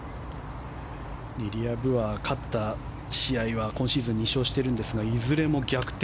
リリア・ブは勝った試合は今シーズン２勝しているんですがいずれも逆転。